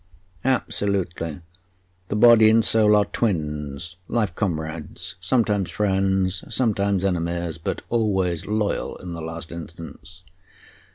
"Absolutely. The body and soul are twins, life comrades sometimes friends, sometimes enemies, but always loyal in the last instance.